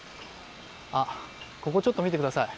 ここちょっと見てください。